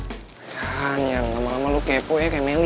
kan yang lama lama lo kepo ya kayak melly ya